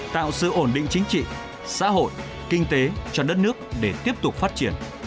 tạo sự ổn định chính trị xã hội kinh tế cho đất nước để tiếp tục phát triển